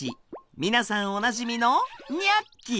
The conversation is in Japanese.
皆さんおなじみのニャッキ！